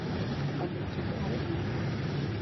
amutumaho intumwa